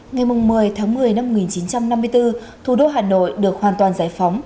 ngày một mươi tháng một mươi năm một nghìn chín trăm năm mươi bốn thủ đô hà nội được hoàn toàn giải phóng